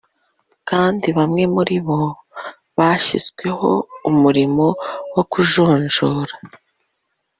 kandi bamwe muri bo bashyizweho umurimo wo kujonjora